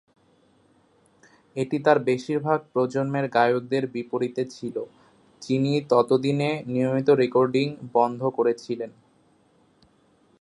এটি তাঁর বেশিরভাগ প্রজন্মের গায়কদের বিপরীতে ছিল, যিনি ততদিনে নিয়মিত রেকর্ডিং বন্ধ করেছিলেন।